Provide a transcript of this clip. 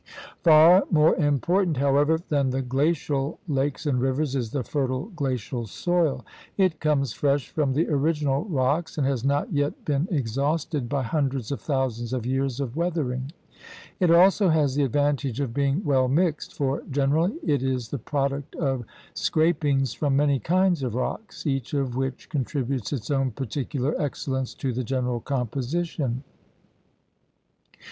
Far more important, however, than the glacial lakes and rivers is the fertile glacial soil. It comes fresh from the original rocks and has not yet been exhausted by hundreds of thousands of years of weathering. Itf also has the advantage of being well mixed, for generally it is the product of scra pings from many kinds of rocks, each of which con tributes its own particular excellence to the general composition.